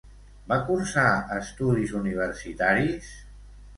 Va cursar estudis universitaris?